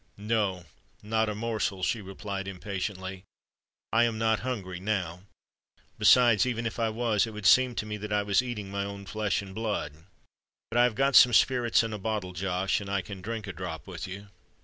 "No—not a morsel," she replied impatiently. "I am not hungry—now: besides, even if I was, it would seem to me that I was eating my own flesh and blood. But I have got some spirits in a bottle, Josh—and I can drink a drop with you."